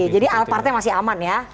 jadi alpartnya masih aman ya